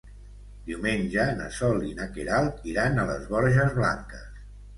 Diumenge na Sol i na Queralt iran a les Borges Blanques.